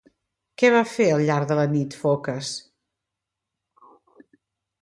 Què va fer al llarg de la nit Focas?